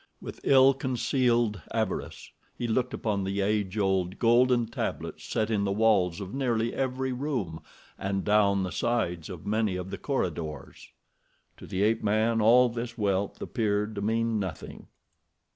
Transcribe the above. With ill concealed avarice he looked upon the age old, golden tablets set in the walls of nearly every room and down the sides of many of the corridors. To the ape man all this wealth appeared to mean nothing.